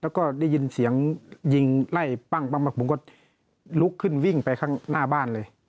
แล้วก็ได้ยินเสียงยิงไล่ปั้งผมก็ลุกขึ้นวิ่งไปข้างหน้าบ้านเลย